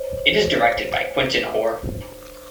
It is directed by Quintin Hoare.